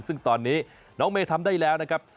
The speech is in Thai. ซึ่งตอนนี้น้องเมย์ทำได้แล้วนะครับ